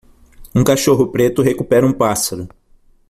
Um cachorro preto recupera um pássaro.